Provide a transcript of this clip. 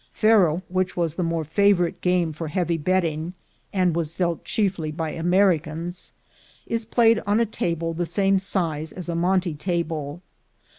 ( jJFaro, which was the more favorite game for heavy betting, and was dealt chiefly by Americans, is played on a table the same size as a monte table.